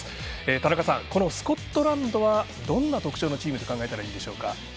田中さん、スコットランドはどんな特徴のチームと考えたらいいでしょうか？